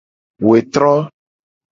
Wetro.